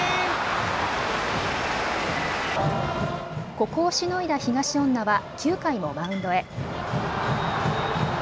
ここをしのいだ東恩納は９回もマウンドへ。